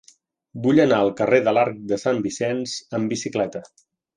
Vull anar al carrer de l'Arc de Sant Vicenç amb bicicleta.